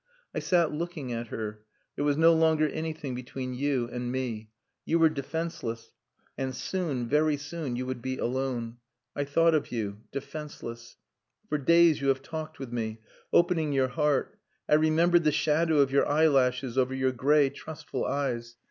I sat looking at her. There was no longer anything between you and me. You were defenceless and soon, very soon, you would be alone.... I thought of you. Defenceless. For days you have talked with me opening your heart. I remembered the shadow of your eyelashes over your grey trustful eyes.